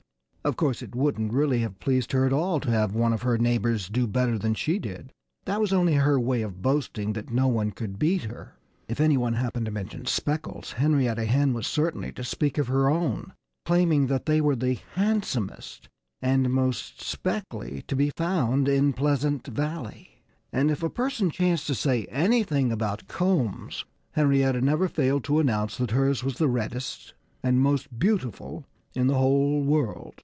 Of course, it wouldn't really have pleased her at all to have one of her neighbors do better than she did. That was only her way of boasting that no one could beat her. If any one happened to mention speckles Henrietta Hen was certain to speak of her own, claiming that they were the handsomest and most speckly to be found in Pleasant Valley. And if a person chanced to say anything about combs, Henrietta never failed to announce that hers was the reddest and most beautiful in the whole world.